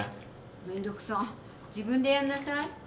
・めんどくさ自分でやんなさい。